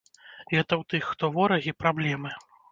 Гэта ў тых, хто ворагі, праблемы.